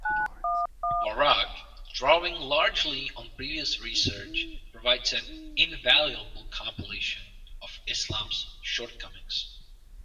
Warraq, drawing largely on previous research, provides an "invaluable compilation" of Islam's shortcomings.